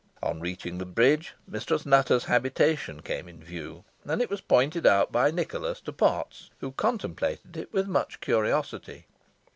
On reaching the bridge, Mistress Nutter's habitation came in view, and it was pointed out by Nicholas to Potts, who contemplated it with much curiosity.